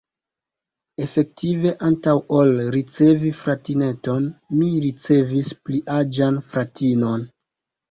Efektive, antaŭ ol ricevi fratineton, mi ricevis pliaĝan fratinon!